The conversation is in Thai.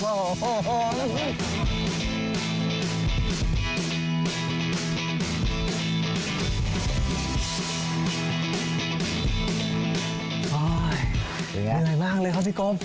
โอ้โฮเป็นอย่างไรบ้างเลยครับสิกลม